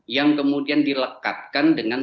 yang kemudian dilekatkan dengan